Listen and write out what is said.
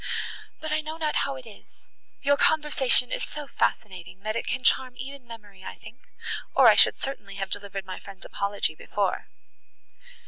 But, I know not how it is—your conversation is so fascinating—that it can charm even memory, I think, or I should certainly have delivered my friend's apology before."